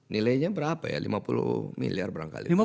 nilainya berapa ya lima puluh miliar berangkali